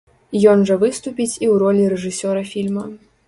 Ён жа выступіць і ў ролі рэжысёра фільма.